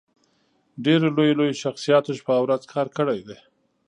ډېرو لويو لويو شخصياتو شپه او ورځ کار کړی دی